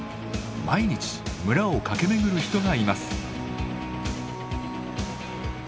毎日村を駆け巡る人がいます。